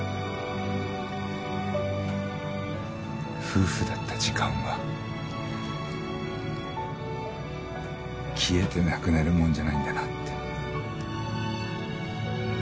夫婦だった時間は消えてなくなるもんじゃないんだなって。